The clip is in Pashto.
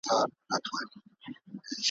د الله تعالی حمد ويل.